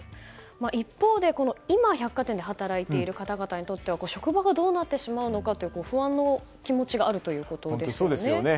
一方で今、百貨店で働いている方々にとっては職場がどうなってしまうのか不安の気持ちがあるということですね。